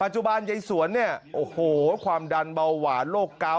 จุบันยายสวนเนี่ยโอ้โหความดันเบาหวานโรคเกา